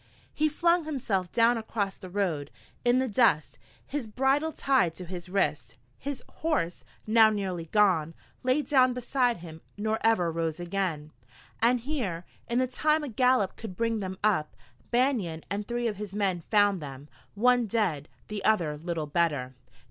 He flung himself down across the road, in the dust, his bridle tied to his wrist. His horse, now nearly gone, lay down beside him, nor ever rose again. And here, in the time a gallop could bring them up, Banion and three of his men found them, one dead, the other little better.